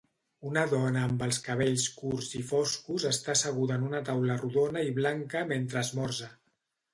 Una dona amb els cabells curts i foscos està asseguda en una taula rodona i blanca mentre esmorza.